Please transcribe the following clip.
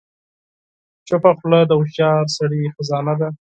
چپه خوله، د هوښیار سړي خزانه ده.